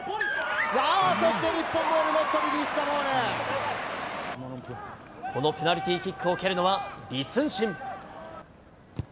そして日本、このペナルティーキックを蹴るのは、李承信。